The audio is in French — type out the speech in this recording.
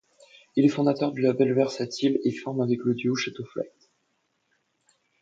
Il est fondateur du label Versatile et forme avec le duo Château Flight.